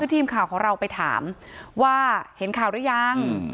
ทีมข่าวของเราไปถามว่าเห็นข่าวหรือยัง